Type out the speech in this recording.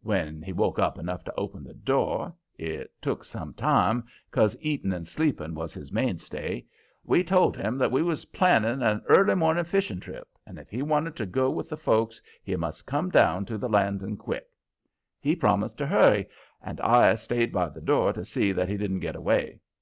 When he woke up enough to open the door it took some time, 'cause eating and sleeping was his mainstay we told him that we was planning an early morning fishing trip, and if he wanted to go with the folks he must come down to the landing quick. He promised to hurry, and I stayed by the door to see that he didn't get away.